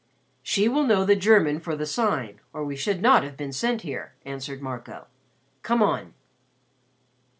"She will know the German for the Sign or we should not have been sent here," answered Marco. "Come on."